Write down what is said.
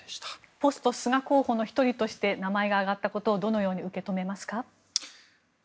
ポスト菅候補の１人として名前が挙がったことをどのように受け止めますか。